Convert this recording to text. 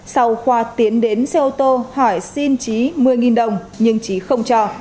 sau khoa tiến đến xe ô tô hỏi xin trí một mươi đồng nhưng trí không cho